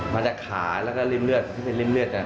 มันจากขาและริมเลือดที่เป็นริมเลือดเนี่ย